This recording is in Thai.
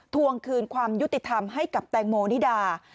ทวงคืนความยุติธรรมให้กับแตงโมนิดา